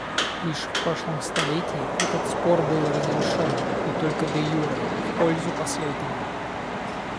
Лишь в прошлом столетии этот спор был разрешен — и только деюре — в пользу последнего.